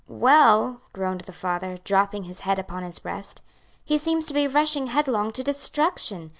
"Well?" groaned the father, dropping his head upon his breast, "he seems to be rushing headlong to destruction.